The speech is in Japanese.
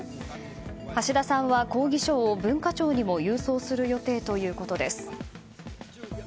橋田さんは、抗議書を文化庁にも郵送する予定ということです。